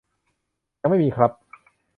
ยังไม่มีครับ